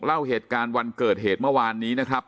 เล่าเหตุการณ์วันเกิดเหตุเมื่อวานนี้นะครับ